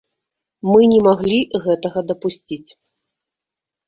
Мы не маглі гэтага дапусціць.